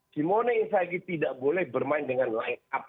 simone inzaghi tidak boleh bermain dengan line up